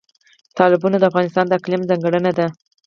تالابونه د افغانستان د اقلیم ځانګړتیا ده.